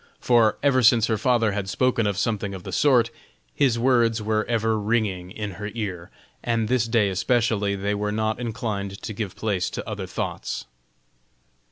For, ever since her father had spoken of something of the sort, his words were ever ringing in her ear, and this day especially they were not inclined to give place to other thoughts.